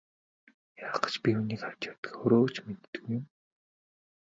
Яах гэж би үүнийг авч явдгаа өөрөө ч мэддэггүй юм.